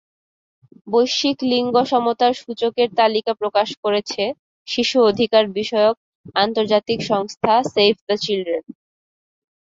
বৈশ্বিক লিঙ্গসমতার সূচকের তালিকা প্রকাশ করেছে শিশু অধিকারবিষয়ক আন্তর্জাতিক সংস্থা সেভ দ্য চিলড্রেন।